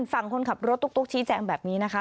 ฝั่งคนขับรถตุ๊กชี้แจงแบบนี้นะคะ